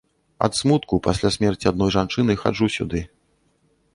Ад смутку, пасля смерці адной жанчыны, хаджу сюды.